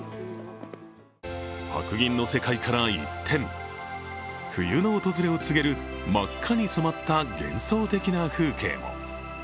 白銀の世界から一転冬の訪れを告げる真っ赤に染まった幻想的な風景も。